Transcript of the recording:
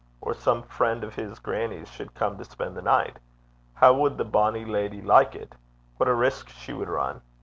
or some friend of his grannie's should come to spend the night? How would the bonny leddy like it? What a risk she would run!